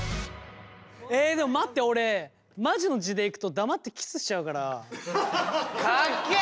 えでも待って俺マジの地でいくと黙ってキスしちゃうから。かっけえ！